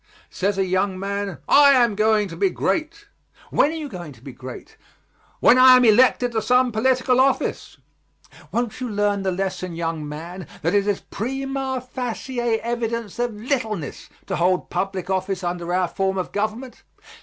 Says a young man: "I am going to be great." "When are you going to be great?" "When I am elected to some political office." Won't you learn the lesson, young man; that it is prima facie evidence of littleness to hold public office under our form of government?